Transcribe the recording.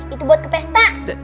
itu buat ke pesta